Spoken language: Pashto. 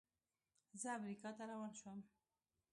زه امریکا ته روان شوم.